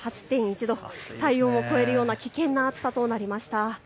体温を超えるような危険な暑さとなりました。